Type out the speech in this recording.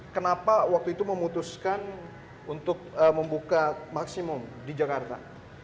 kenapa waktu itu memutuskan untuk membuka maksimum di jakarta